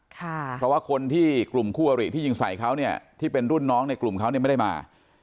เพราะว่าคนที่กลุ่มคู่อริที่ยิงใส่เขาเนี่ยที่เป็นรุ่นน้องในกลุ่มเขาเนี่ยไม่ได้มา